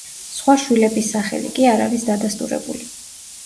სხვა შვილების სახელი კი არ არის დადასტურებული.